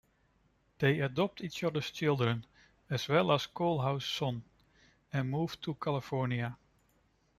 They adopt each other's children, as well as Coalhouse's son, and move to California.